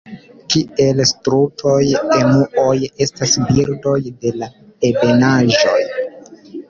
Kiel strutoj, emuoj estas birdoj de la ebenaĵoj.